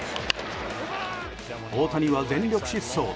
大谷は全力疾走。